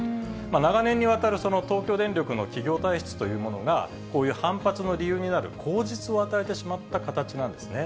長年にわたる東京電力の企業体質というものが、こういう反発の理由になる口実を与えてしまった形なんですね。